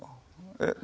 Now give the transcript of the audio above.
えっ？